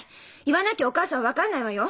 言わなきゃお母さん分かんないわよ。